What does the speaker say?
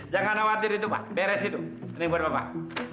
jangan khawatir itu pak beres itu ini buat bapak